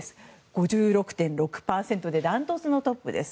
５６．６％でダントツのトップです。